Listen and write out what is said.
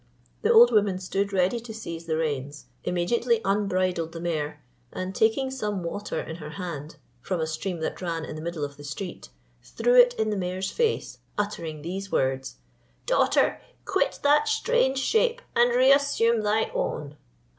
The old woman stood ready to seize the reins, immediately unbridled the mare, and taking some water in her hand, from a stream that ran in the middle of the street, threw it in the mare's face, uttering these words, "Daughter, quit that strange shape, and re assume thy own."